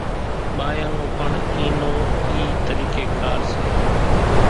ٻايان نو پڻ اِي نو اِي طريقي ڪار سي